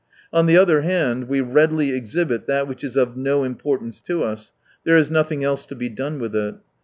On the other hand, we readily exhibit that w;hich is of no importance to us— there is nothing else to be done with it.